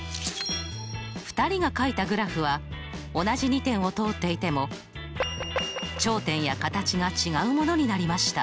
２人がかいたグラフは同じ２点を通っていても頂点や形が違うものになりました。